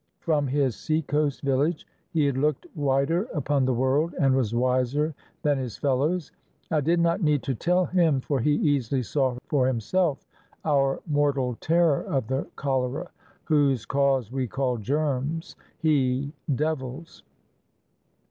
From his seacoast village he had looked wider upon the world, and was wiser than his fellows. I did not need to tell him, for he easily saw for himself, our mortal terror of the cholera, whose cause we called germs, he, devils.